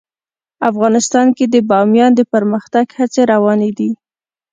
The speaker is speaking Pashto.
افغانستان کې د بامیان د پرمختګ هڅې روانې دي.